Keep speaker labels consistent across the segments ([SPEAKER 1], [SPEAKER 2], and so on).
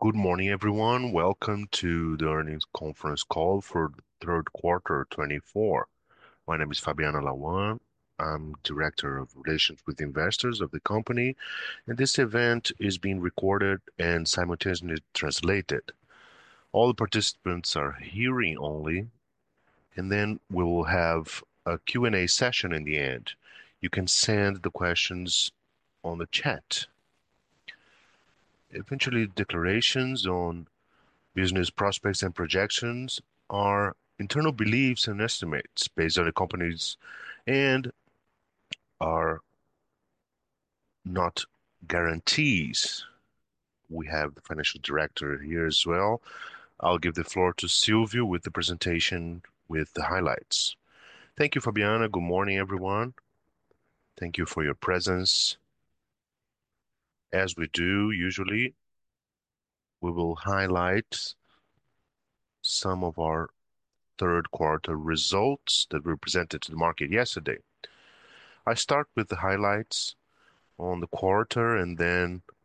[SPEAKER 1] Good morning, everyone. Welcome to the earnings conference call for the third quarter 2024. My name is Fabiana Lawant. I'm Director of Relations with Investors of the company. This event is being recorded and simultaneously translated. All participants are hearing only. We will have a Q&A session in the end. You can send the questions on the chat. Eventually, declarations on business prospects and projections are internal beliefs and estimates based on the companies and are not guarantees. We have the financial director here as well. I'll give the floor to Silvio with the presentation with the highlights. Thank you, Fabiana. Good morning, everyone. Thank you for your presence. As we do usually, we will highlight some of our third quarter results that we presented to the market yesterday.
[SPEAKER 2] I start with the highlights on the quarter.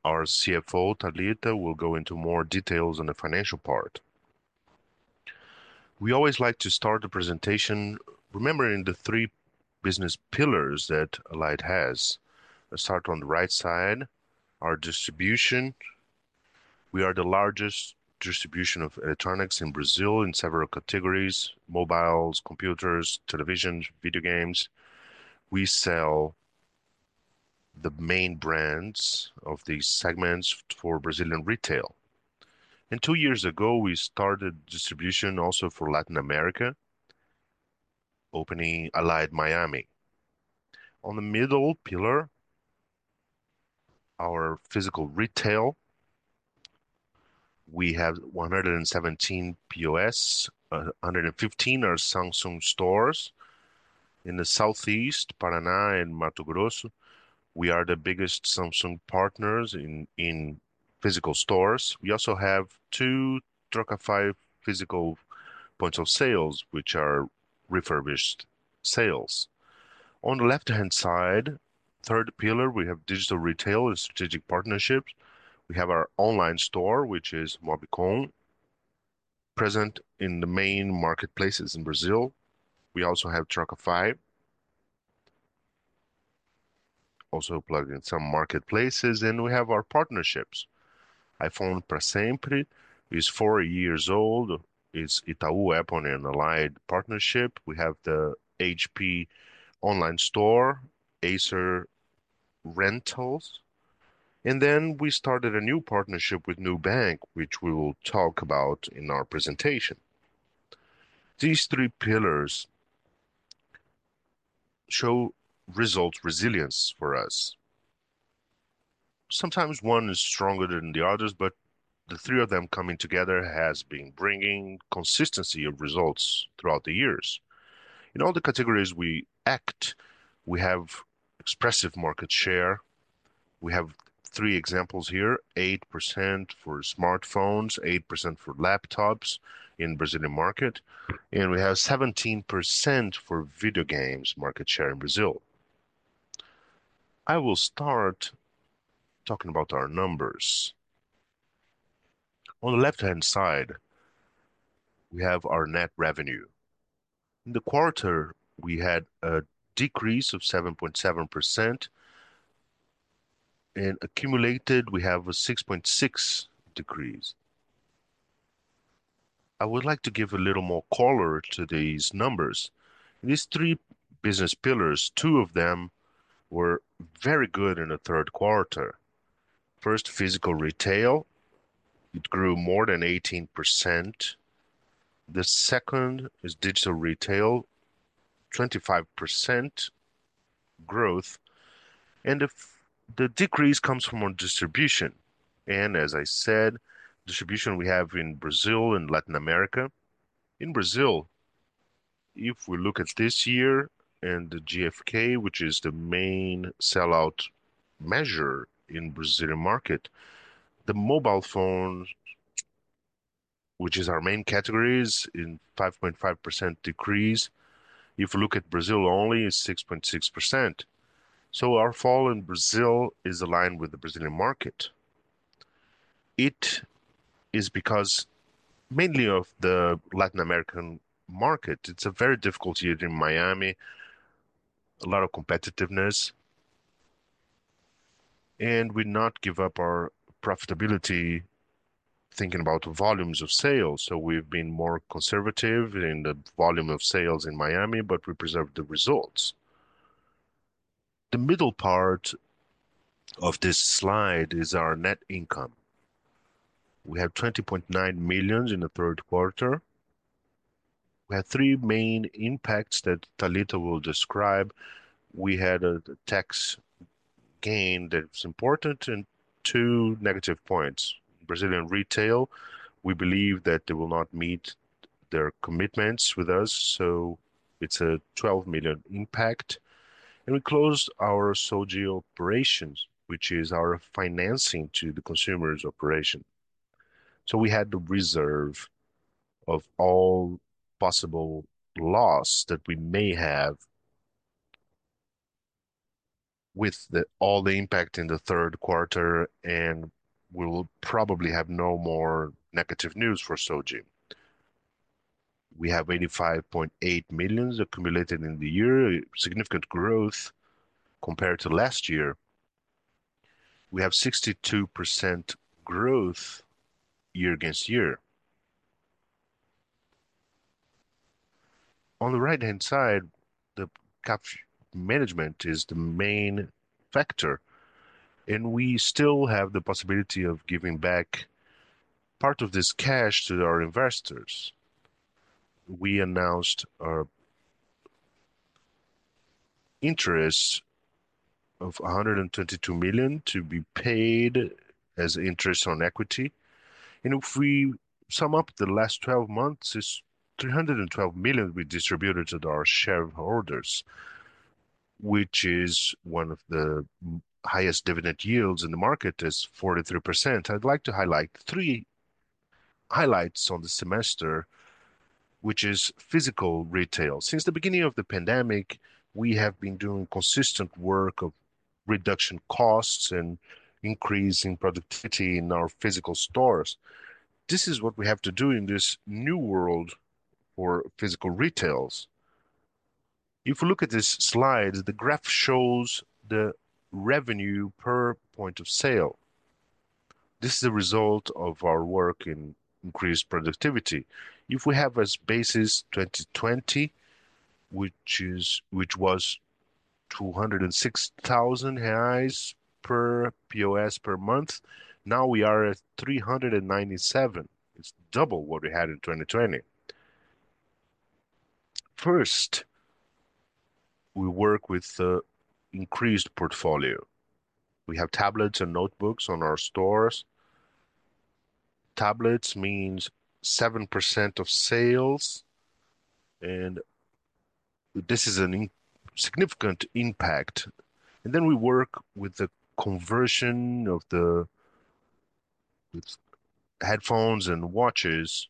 [SPEAKER 2] Our CFO, Thalita, will go into more details on the financial part. We always like to start the presentation remembering the three business pillars that Allied has. Let's start on the right side, our distribution. We are the largest distribution of electronics in Brazil in several categories: mobiles, computers, televisions, video games. We sell the main brands of these segments for Brazilian retail. Two years ago, we started distribution also for Latin America, opening Allied Miami. On the middle pillar, our physical retail, we have 117 POS. 115 are Samsung stores in the Southeast, Paraná and Mato Grosso. We are the biggest Samsung partners in physical stores. We also have two Trocafy physical points of sales, which are refurbished sales. On the left-hand side, third pillar, we have digital retail and strategic partnerships. We have our online store, which is Mobcom, present in the main marketplaces in Brazil. We also have Trocafy also plugged in some marketplaces. We have our partnerships. iPhone pra Sempre is four years old. It's Itaú, Apple, and Allied partnership. We have the HP online store, Acer rentals. We started a new partnership with Nubank, which we will talk about in our presentation. These three pillars show results resilience for us. Sometimes one is stronger than the others, but the three of them coming together has been bringing consistency of results throughout the years. In all the categories we act, we have expressive market share. We have three examples here, 8% for smartphones, 8% for laptops in Brazilian market, and we have 17% for video games market share in Brazil. I will start talking about our numbers. On the left-hand side, we have our net revenue. In the quarter, we had a decrease of 7.7%. Accumulated, we have a 6.6% decrease. I would like to give a little more color to these numbers. These three business pillars, two of them were very good in the third quarter. First, physical retail, it grew more than 18%. The second is digital retail, 25% growth. The decrease comes from our distribution, and as I said, distribution we have in Brazil and Latin America. In Brazil, if we look at this year and the GfK, which is the main sellout measure in Brazilian market, the mobile phone, which is our main categories, in 5.5% decrease. If you look at Brazil only, it's 6.6%. Our fall in Brazil is aligned with the Brazilian market. It is because mainly of the Latin American market. It's a very difficult year in Miami, a lot of competitiveness, we not give up our profitability thinking about volumes of sales. We've been more conservative in the volume of sales in Miami, but we preserved the results. The middle part of this slide is our net income. We have 20.9 million in the third quarter. We had three main impacts that Thalita will describe. We had a tax gain that's important and two negative points. Brazilian retail, we believe that they will not meet their commitments with us, it's a 12 million impact. We closed our Soudi operations, which is our financing to the consumer's operation. We had the reserve of all possible loss that we may have with all the impact in the third quarter, we will probably have no more negative news for Soudi. We have 85.8 million accumulated in the year, significant growth compared to last year. We have 62% growth year against year. On the right-hand side, the cash management is the main factor, we still have the possibility of giving back part of this cash to our investors. We announced our interest of 122 million to be paid as interest on equity. If we sum up the last 12 months, it's 312 million we distributed to our shareholders, which is one of the highest dividend yields in the market is 43%. I'd like to highlight three highlights on the semester, which is physical retail. Since the beginning of the pandemic, we have been doing consistent work of reduction costs and increasing productivity in our physical stores. This is what we have to do in this new world for physical retails. If you look at this slide, the graph shows the revenue per point of sale. This is a result of our work in increased productivity. If we have as basis 2020, which was 206,000 reais per POS per month, now we are at 397,000. It's double what we had in 2020. First, we work with the increased portfolio. We have tablets and notebooks on our stores. Tablets means 7% of sales, this is a significant impact. We work with the conversion of the headphones and watches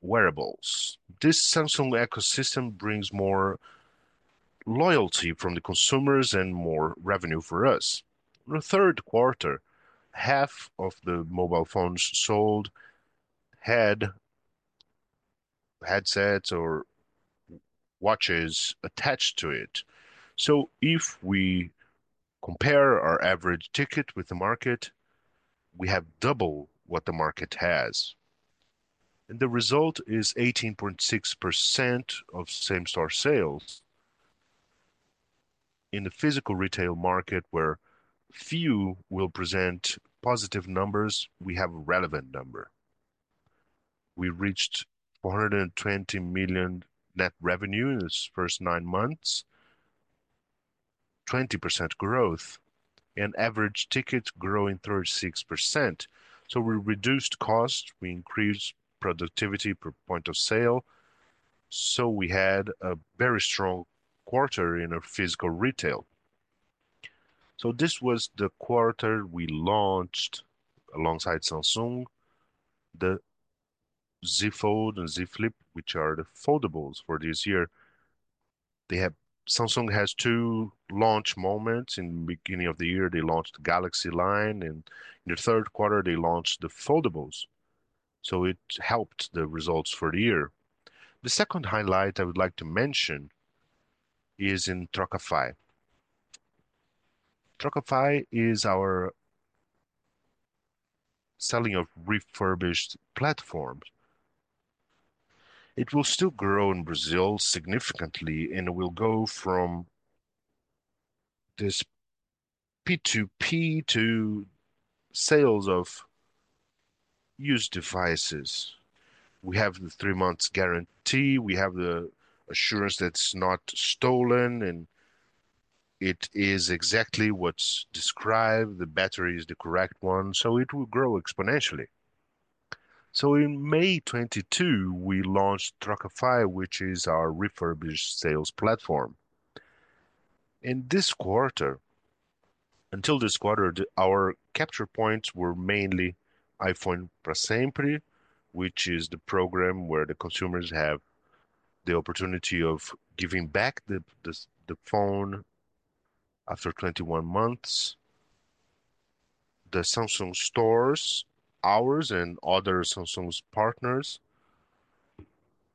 [SPEAKER 2] wearables. This Samsung ecosystem brings more loyalty from the consumers and more revenue for us. In the third quarter, half of the mobile phones sold had headsets or watches attached to it. If we compare our average ticket with the market, we have double what the market has. The result is 18.6% of same store sales. In the physical retail market where few will present positive numbers, we have a relevant number. We reached 420 million net revenue in its first nine months, 20% growth, average ticket growing 36%. We reduced cost, we increased productivity per point of sale, we had a very strong quarter in our physical retail. This was the quarter we launched alongside Samsung, the Z Fold and Z Flip, which are the foldables for this year. Samsung has two launch moments. In the beginning of the year, they launched the Galaxy line, in the third quarter, they launched the foldables. It helped the results for the year. The second highlight I would like to mention is in Trocafy. Trocafy is our selling of refurbished platform. It will still grow in Brazil significantly, will go from this P2P to sales of used devices. We have the three months guarantee. We have the assurance that it's not stolen, and it is exactly what's described. The battery is the correct one, it will grow exponentially. In May 2022, we launched Trocafy, which is our refurbished sales platform. Until this quarter, our capture points were mainly iPhone pra Sempre, which is the program where the consumers have the opportunity of giving back the phone after 21 months. The Samsung stores, ours, and other Samsung's partners.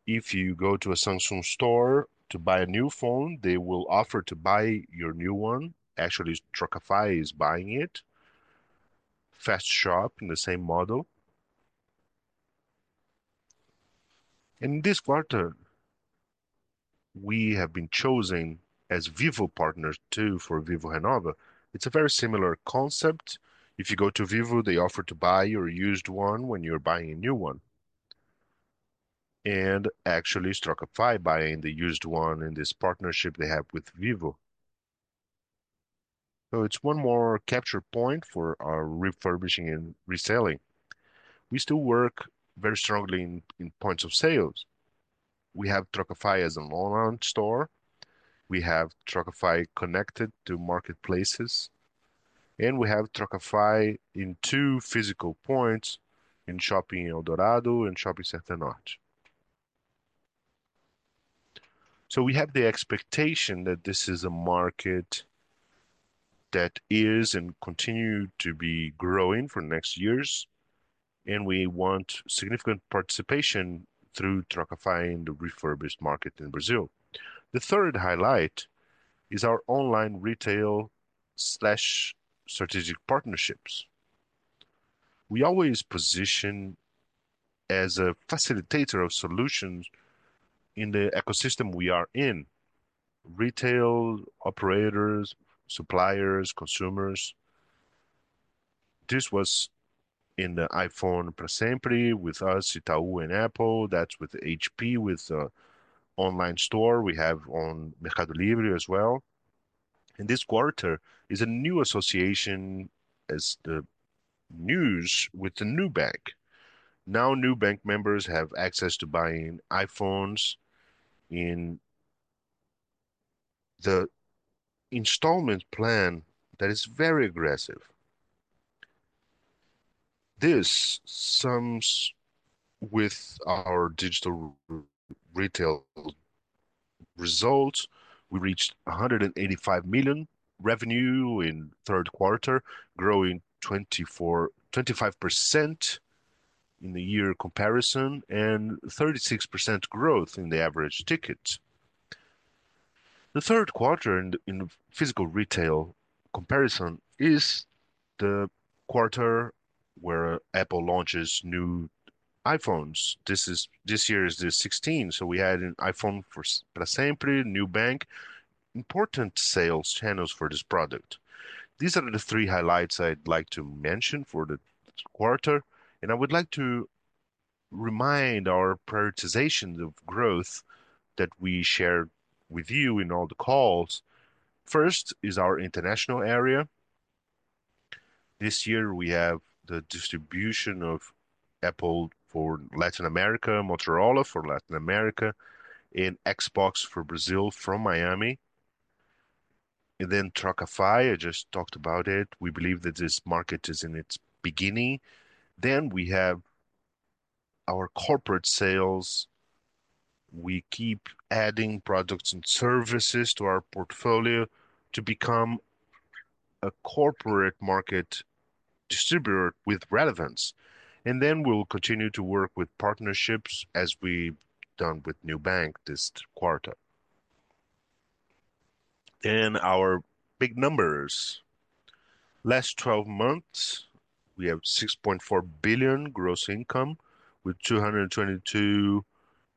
[SPEAKER 2] If you go to a Samsung store to buy a new phone, they will offer to buy your new one. Actually, Trocafy is buying it. Fast Shop in the same model. In this quarter, we have been chosen as Vivo partners too, for Vivo Renova. It's a very similar concept. If you go to Vivo, they offer to buy your used one when you're buying a new one. Trocafy buying the used one in this partnership they have with Vivo. It's one more capture point for our refurbishing and reselling. We still work very strongly in points of sales. We have Trocafy as an online store. We have Trocafy connected to marketplaces, and we have Trocafy in two physical points in Shopping Eldorado and Shopping Center Norte. We have the expectation that this is a market that is and continue to be growing for next years, and we want significant participation through Trocafy in the refurbished market in Brazil. The third highlight is our online retail/strategic partnerships. We always position as a facilitator of solutions in the ecosystem we are in. Retail, operators, suppliers, consumers. This was in the iPhone pra Sempre with us, Itaú and Apple. That's with HP, with the online store we have on Mercado Livre as well. In this quarter is a new association as the news with the Nubank. Nubank members have access to buying iPhones in the installment plan that is very aggressive. This sums with our digital retail results. We reached 185 million revenue in third quarter, growing 25% in the year comparison, and 36% growth in the average ticket. The third quarter in physical retail comparison is the quarter where Apple launches new iPhones. This year is the iPhone 16, we had an iPhone pra Sempre, Nubank, important sales channels for this product. These are the three highlights I'd like to mention for the quarter, and I would like to remind our prioritization of growth that we shared with you in all the calls. First is our international area. This year we have the distribution of Apple for Latin America, Motorola for Latin America, and Xbox for Brazil from Miami. Trocafy, I just talked about it. We believe that this market is in its beginning. We have our corporate sales. We keep adding products and services to our portfolio to become a corporate market distributor with relevance. We will continue to work with partnerships as we've done with Nubank this quarter. Our big numbers. Last 12 months, we have 6.4 billion gross income with 222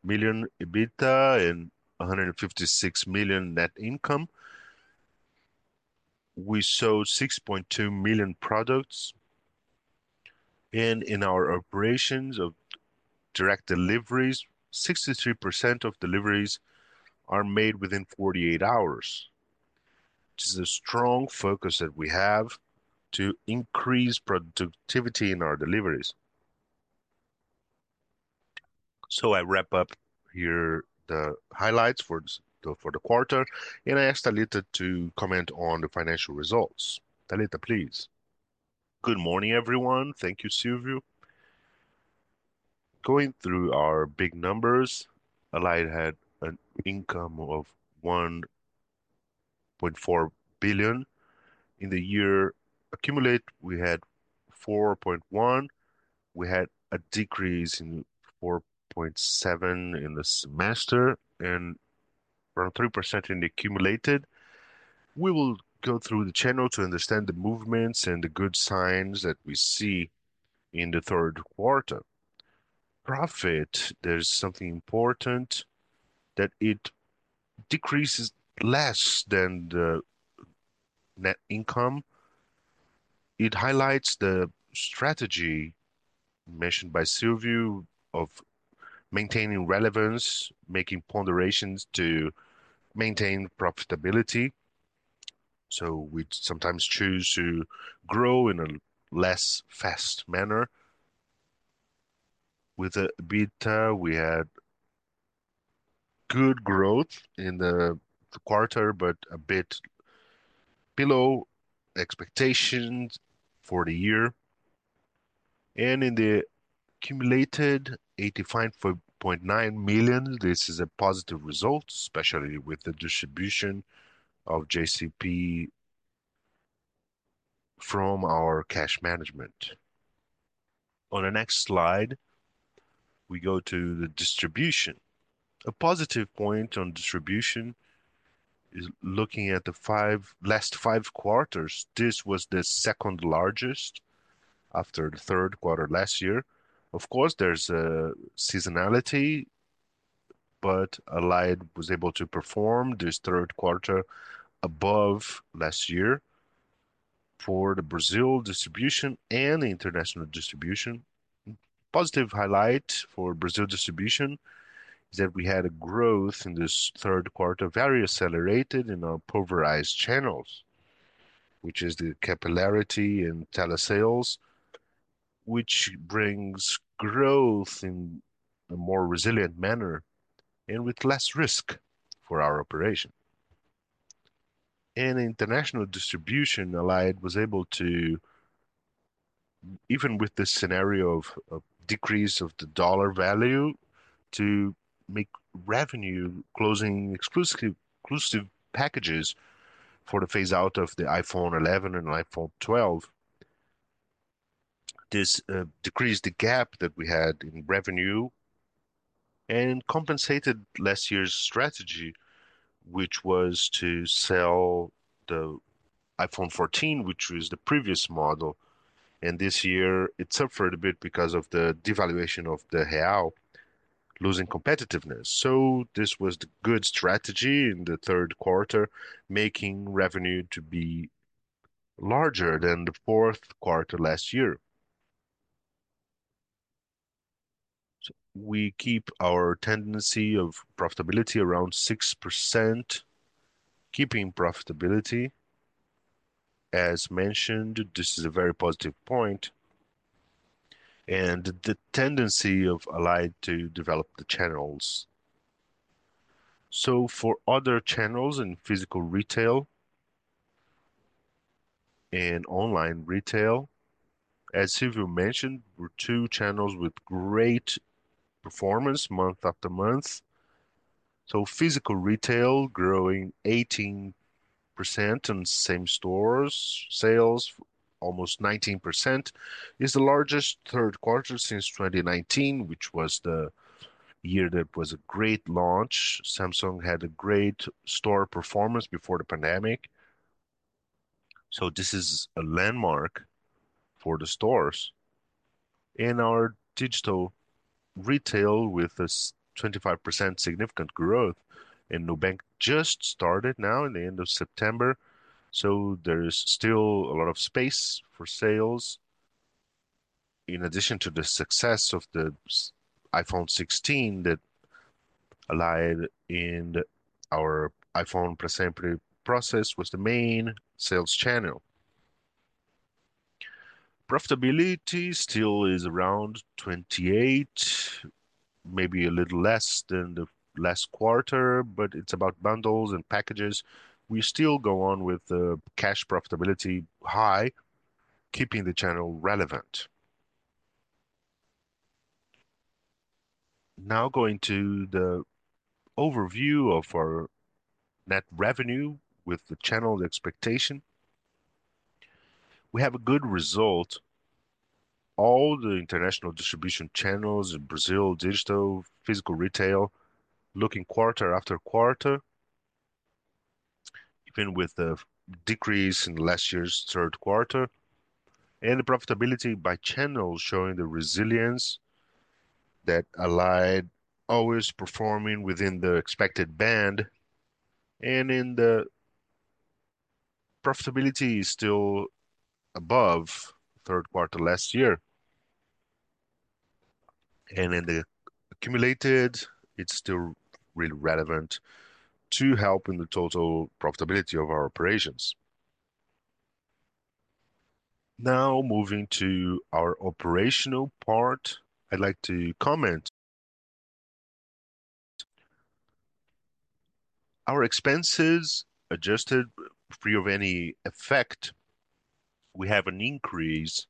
[SPEAKER 2] million EBITDA and 156 million net income. We sold 6.2 million products. In our operations of direct deliveries, 63% of deliveries are made within 48 hours, which is a strong focus that we have to increase productivity in our deliveries. I wrap up here the highlights for the quarter, and I ask Thalita to comment on the financial results. Thalita, please. Good morning, everyone. Thank Thank you, Silvio.
[SPEAKER 3] Going through our big numbers, Allied had an income of 1.4 billion. In the year accumulated, we had 4.1 billion. We had a decrease of 4.7% in the semester and around 3% in the accumulated. We will go through the channel to understand the movements and the good signs that we see in the third quarter. Profit, there is something important that it decreases less than the net income. It highlights the strategy mentioned by Silvio of maintaining relevance, making ponderations to maintain profitability. We sometimes choose to grow in a less fast manner. With the EBITDA, we had good growth in the quarter, but a bit below expectations for the year. In the accumulated 85.9 million, this is a positive result, especially with the distribution of JCP from our cash management. On the next slide, we go to the distribution. A positive point on distribution is looking at the last five quarters. This was the second largest after the third quarter last year. Allied was able to perform this third quarter above last year for the Brazil distribution and the international distribution. Positive highlight for Brazil distribution is that we had a growth in this third quarter, very accelerated in our pulverized channels, which is the capillarity in telesales, which brings growth in a more resilient manner and with less risk for our operation. International distribution, Allied was able to, even with the scenario of a decrease of the USD value, to make revenue closing exclusive packages for the phase-out of the iPhone 11 and iPhone 12. This decreased the gap that we had in revenue and compensated last year's strategy, which was to sell the iPhone 14, which was the previous model. This year it suffered a bit because of the devaluation of the BRL, losing competitiveness. This was the good strategy in the third quarter, making revenue to be larger than the fourth quarter last year. We keep our tendency of profitability around 6%, keeping profitability. As mentioned, this is a very positive point. The tendency of Allied to develop the channels. For other channels in physical retail and online retail, as Silvio mentioned, were two channels with great performance month after month. Physical retail growing 18% on same stores, sales almost 19%, is the largest third quarter since 2019, which was the year that was a great launch. Samsung had a great store performance before the pandemic, this is a landmark for the stores. Our digital retail with a 25% significant growth, Nubank just started now in the end of September, there is still a lot of space for sales. In addition to the success of the iPhone 16 that Allied in our iPhone pre-sale process was the main sales channel. Profitability still is around 28%, maybe a little less than the last quarter, but it is about bundles and packages. We still go on with the cash profitability high, keeping the channel relevant. Now going to the overview of our net revenue with the channel expectation. We have a good result. All the international distribution channels in Brazil, digital, physical retail, looking quarter after quarter, even with the decrease in last year's third quarter. The profitability by channel showing the resilience that Allied always performing within the expected band, and in the profitability is still above third quarter last year. In the accumulated, it is still really relevant to helping the total profitability of our operations. Now moving to our operational part, I'd like to comment. Our expenses adjusted free of any effect, we have an increase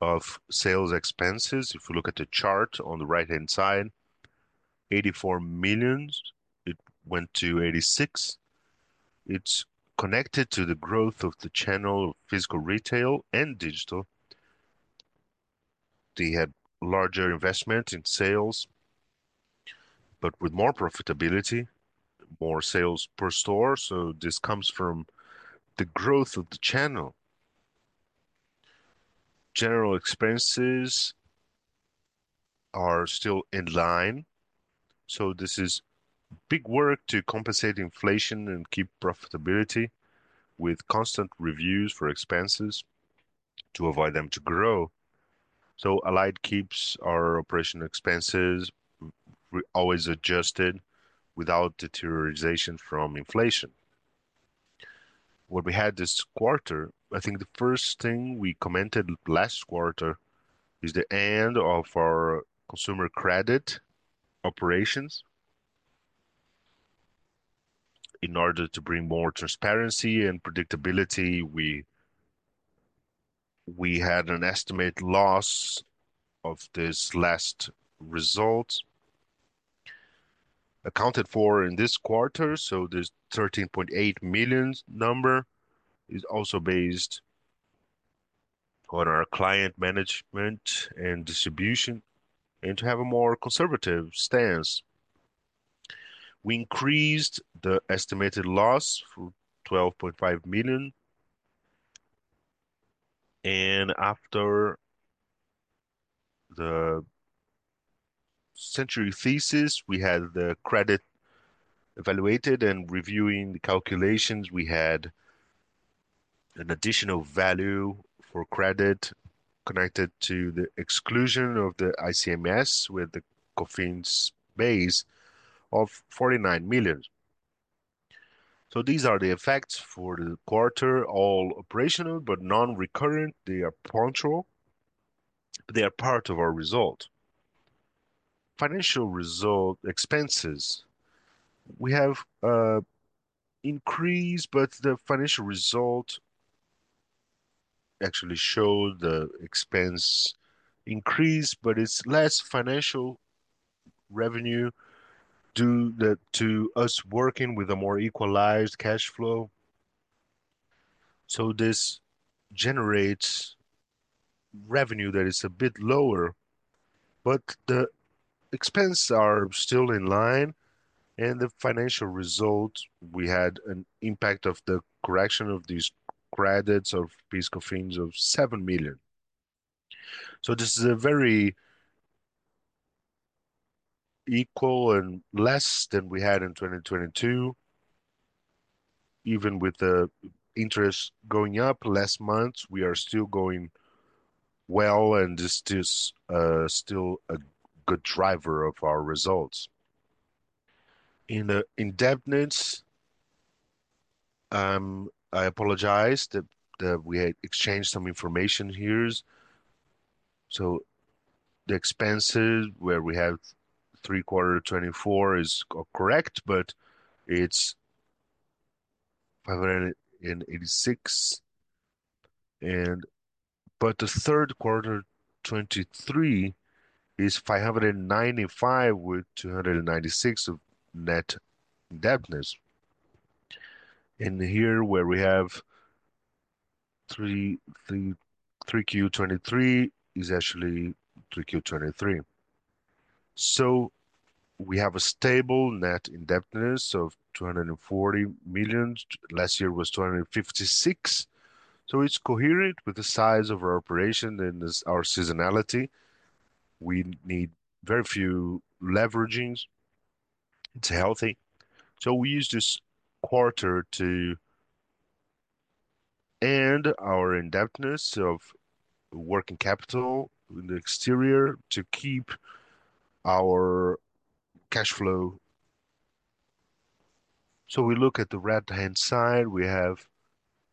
[SPEAKER 3] of sales expenses. If you look at the chart on the right-hand side, 84 million, it went to 86 million. It is connected to the growth of the channel, physical retail and digital. They had larger investment in sales, but with more profitability, more sales per store, this comes from the growth of the channel. General expenses are still in line. This is big work to compensate inflation and keep profitability with constant reviews for expenses to avoid them to grow. Allied keeps our operational expenses always adjusted without deterioration from inflation. What we had this quarter, I think the first thing we commented last quarter is the end of our consumer credit operations. In order to bring more transparency and predictability, we had an estimated loss of this last result accounted for in this quarter. This 13.8 million number is also based on our client management and distribution, and to have a more conservative stance. We increased the estimated loss for 12.5 million. After the Thesis of the Century, we had the credit evaluated and reviewing the calculations, we had an additional value for credit connected to the exclusion of the ICMS with the COFINS base of 49 million. These are the effects for the quarter, all operational but non-recurrent. They are punctual. They are part of our result. Financial result expenses. We have an increase, but the financial result actually shows the expense increase, but it is less financial revenue due to us working with a more equalized cash flow. This generates revenue that is a bit lower. The expenses are still in line, and the financial result, we had an impact of the correction of these credits of PIS/COFINS of 7 million. This is very equal and less than we had in 2022. Even with the interest going up last month, we are still going well, and this is still a good driver of our results. In the indebtedness, I apologize that we had exchanged some information here. The expenses where we have 3Q 2024 is correct, but it is BRL 586 million. The 3Q 2023 is 595 million with 296 million of net indebtedness. Here where we have 3Q 2023 is actually 3Q 2023. We have a stable net indebtedness of 240 million. Last year was 256 million. It is coherent with the size of our operation and our seasonality. We need very few leveragings. It is healthy. We use this quarter to end our indebtedness of working capital in the exterior to keep our cash flow. We look at the right-hand side, we have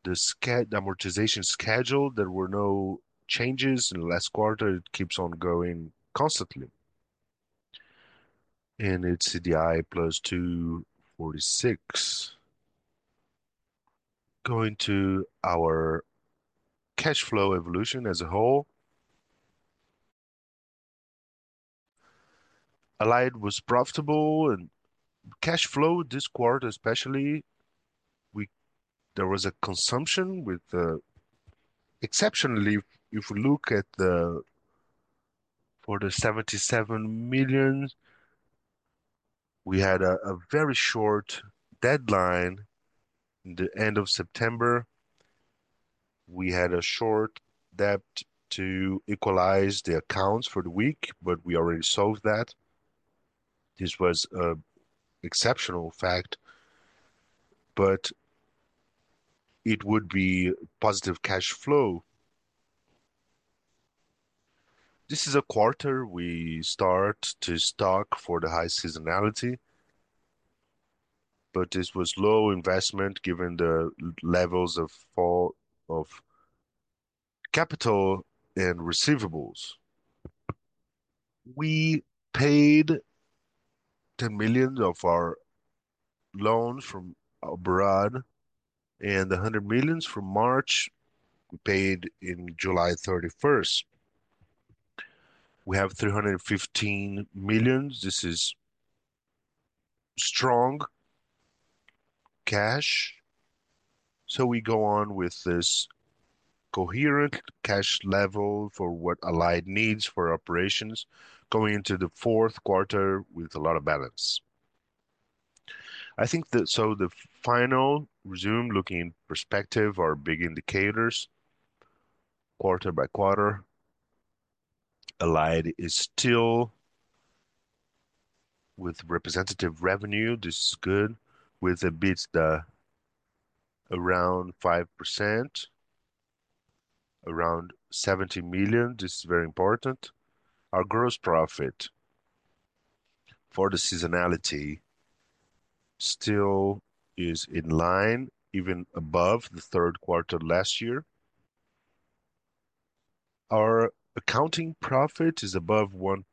[SPEAKER 3] the amortization schedule. There were no changes in the last quarter. It keeps on going constantly. It is CDI plus 246. Going to our cash flow evolution as a whole. Allied was profitable, and cash flow this quarter especially, there was a consumption exceptionally, if we look at the, for the 77 million, we had a very short deadline in the end of September. We had a short debt to equalize the accounts for the week, but we already solved that. This was an exceptional fact, but it would be positive cash flow. This is a quarter we start to stock for the high seasonality, but this was low investment given the levels of capital and receivables. We paid 10 million of our loans from abroad and 100 million from March, we paid on July 31st. We have 315 million. This is strong cash. We go on with this coherent cash level for what Allied needs for operations going into the fourth quarter with a lot of balance. The final resume looking perspective, our big indicators quarter by quarter. Allied is still with representative revenue. This is good. With EBITDA, around 5%, around 70 million. This is very important. Our gross profit for the seasonality still is in line, even above the third quarter last year. Our accounting profit is above 1%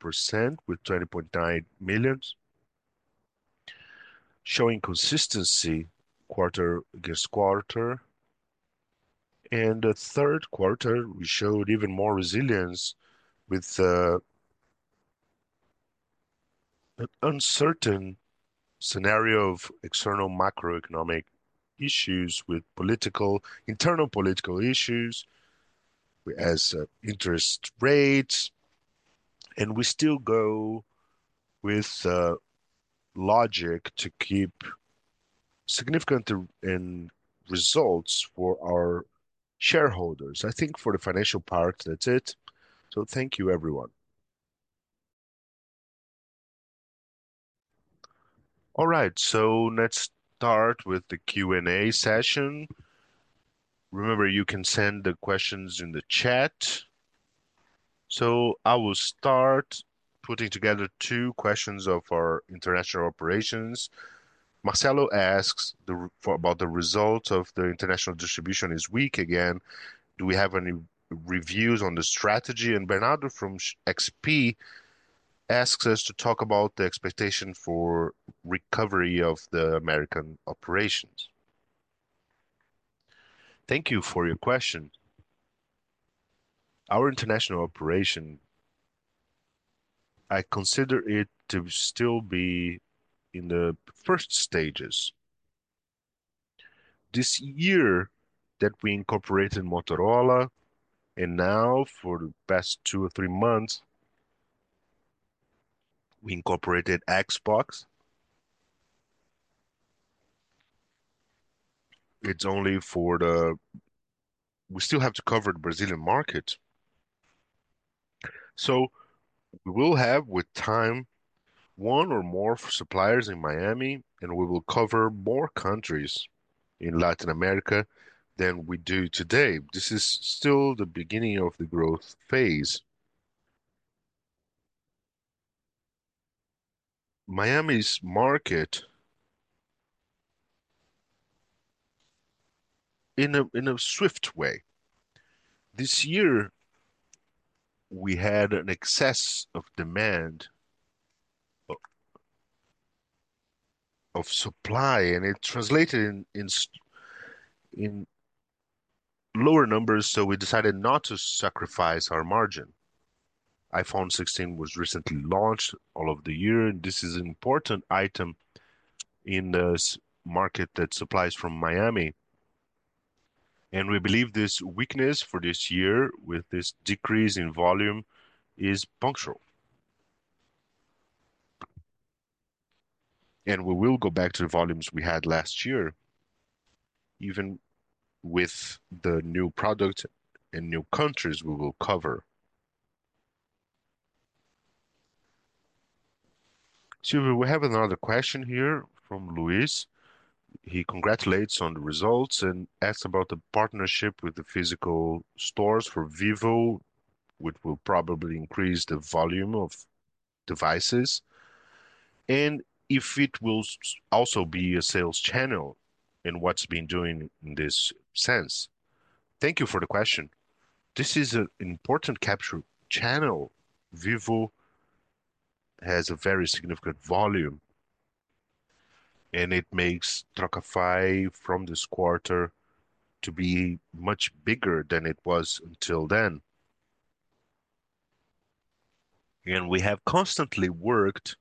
[SPEAKER 3] with 20.9 million, showing consistency quarter against quarter. The third quarter, we showed even more resilience with an uncertain scenario of external macroeconomic issues, with internal political issues as interest rates. We still go with logic to keep significant end results for our shareholders. I think for the financial part, that's it. Thank you, everyone. All right, let's start with the Q&A session. Remember, you can send the questions in the chat. I will start putting together two questions of our international operations. Marcelo asks about the results of the international distribution this week again. Do we have any reviews on the strategy? Bernardo from XP asks us to talk about the expectation for recovery of the American operations. Thank you for your question. Our international operation, I consider it to still be in the first stages.
[SPEAKER 2] This year that we incorporated Motorola, and now for the past two or three months, we incorporated Xbox. We still have to cover the Brazilian market. We will have, with time, one or more suppliers in Miami, and we will cover more countries in Latin America than we do today. This is still the beginning of the growth phase. Miami's market, in a swift way. This year, we had an excess of demand of supply, and it translated in lower numbers. We decided not to sacrifice our margin. iPhone 16 was recently launched all of the year, and this is an important item in this market that supplies from Miami. We believe this weakness for this year with this decrease in volume is punctual. We will go back to the volumes we had last year, even with the new product and new countries we will cover. Silvio, we have another question here from Luís. He congratulates on the results and asks about the partnership with the physical stores for Vivo, which will probably increase the volume of devices, and if it will also be a sales channel, and what's been doing in this sense. Thank you for the question. This is an important capture channel. Vivo has a very significant volume, and it makes Trocafy from this quarter to be much bigger than it was until then. We have constantly worked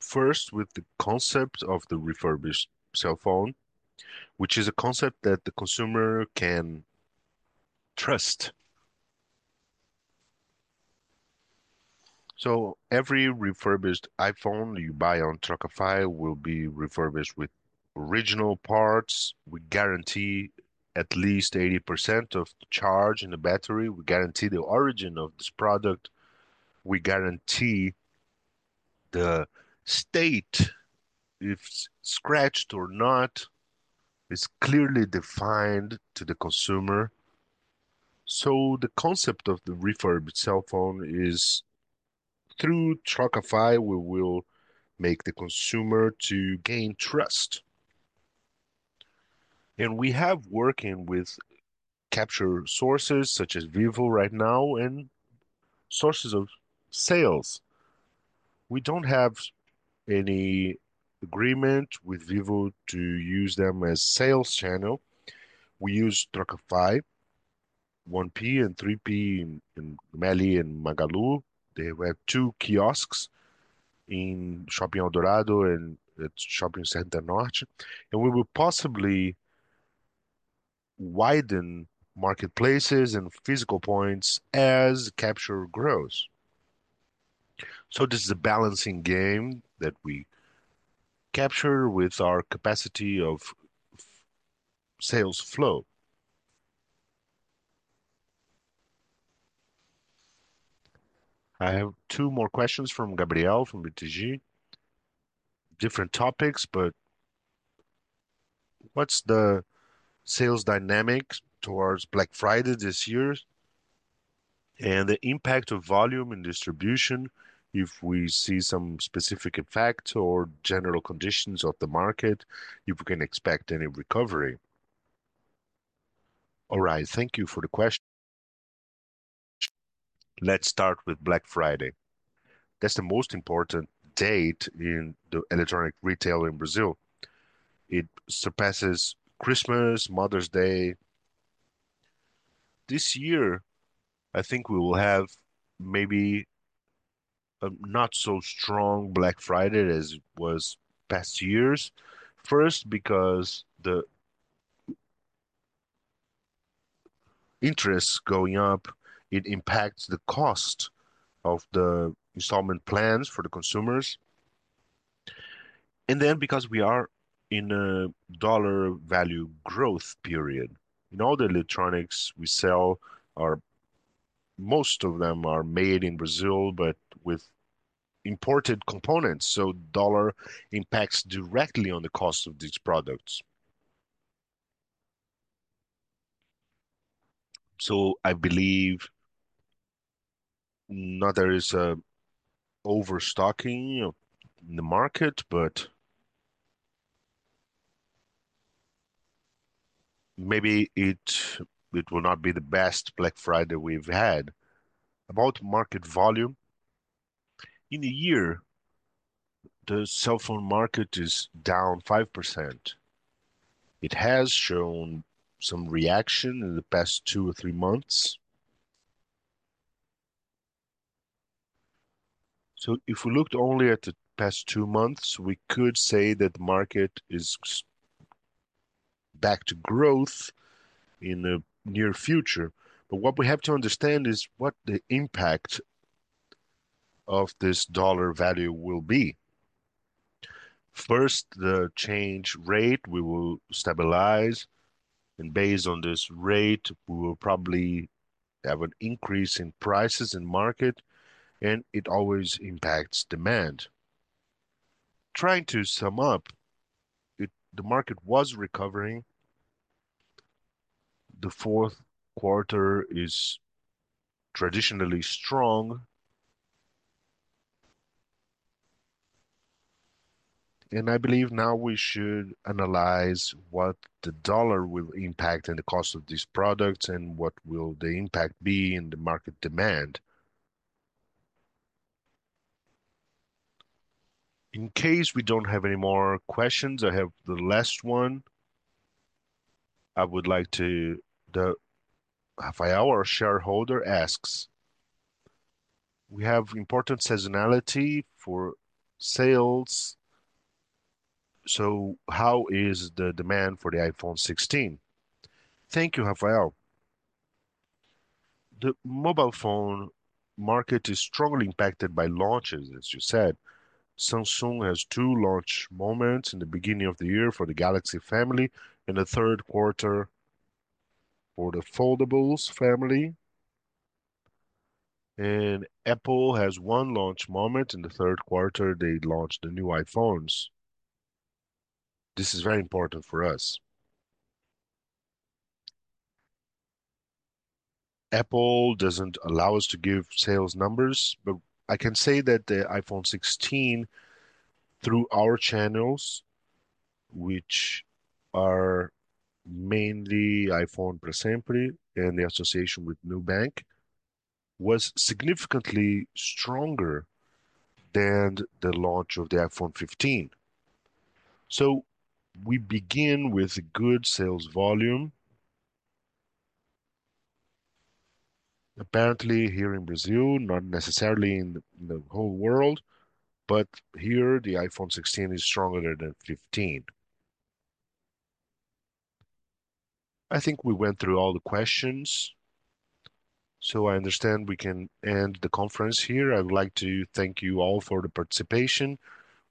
[SPEAKER 2] first with the concept of the refurbished cell phone, which is a concept that the consumer can trust. Every refurbished iPhone you buy on Trocafy will be refurbished with original parts. We guarantee at least 80% of the charge in the battery. We guarantee the origin of this product. We guarantee the state, if scratched or not. It's clearly defined to the consumer. The concept of the refurb cell phone is through Trocafy, we will make the consumer to gain trust. We have working with capture sources such as Vivo right now and sources of sales. We don't have any agreement with Vivo to use them as sales channel. We use Trocafy, 1P and 3P in Meli and Magalu. They have two kiosks in Shopping Eldorado and at Shopping Center Norte. We will possibly widen marketplaces and physical points as capture grows. This is a balancing game that we capture with our capacity of sales flow. I have two more questions from Gabriel, from BTG. Different topics, but what's the sales dynamic towards Black Friday this year, and the impact of volume and distribution, if we see some specific effects or general conditions of the market, if we can expect any recovery. All right. Thank you for the question. Let's start with Black Friday. That's the most important date in the electronic retail in Brazil. It surpasses Christmas, Mother's Day. This year, I think we will have maybe a not so strong Black Friday as was past years. First, because the interest going up, it impacts the cost of the installment plans for the consumers. Because we are in a dollar value growth period, and all the electronics we sell, most of them are made in Brazil, but with imported components. Dollar impacts directly on the cost of these products. So I believe now there is overstocking in the market, but maybe it will not be the best Black Friday we've had. About market volume, in a year, the cell phone market is down 5%. It has shown some reaction in the past two or three months. If we looked only at the past two months, we could say that the market is back to growth in the near future. What we have to understand is what the impact of this dollar value will be. First, the change rate, we will stabilize, and based on this rate, we will probably have an increase in prices in market, and it always impacts demand. Trying to sum up, the market was recovering. The fourth quarter is traditionally strong. I believe now we should analyze what the dollar will impact in the cost of these products and what will the impact be in the market demand. In case we don't have any more questions, I have the last one. Rafael, our shareholder asks, "We have important seasonality for sales, so how is the demand for the iPhone 16?" Thank you, Rafael. The mobile phone market is strongly impacted by launches, as you said. Samsung has two launch moments in the beginning of the year for the Galaxy family, in the third quarter for the foldables family. Apple has one launch moment in the third quarter, they launched the new iPhones. This is very important for us. Apple doesn't allow us to give sales numbers, but I can say that the iPhone 16, through our channels, which are mainly iPhone pra Sempre and the association with Nubank, was significantly stronger than the launch of the iPhone 15. We begin with good sales volume. Apparently here in Brazil, not necessarily in the whole world, but here the iPhone 16 is stronger than 15. I think we went through all the questions. I understand we can end the conference here. I would like to thank you all for the participation.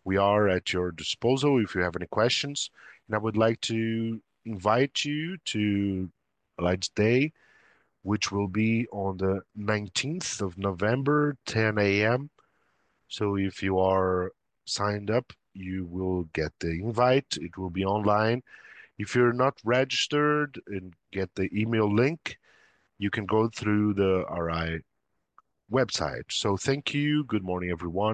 [SPEAKER 2] We are at your disposal if you have any questions. I would like to invite you to Allied Day, which will be on the 19th of November, 10:00 A.M. If you are signed up, you will get the invite. It will be online. If you're not registered and get the email link, you can go through the RI website. Thank you. Good morning, everyone.